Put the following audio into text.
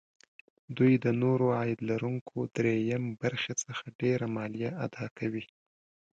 دوی د نورو عاید لرونکو دریم برخې څخه ډېره مالیه اداکوي